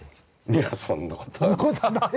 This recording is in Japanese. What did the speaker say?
いやそんなことはない。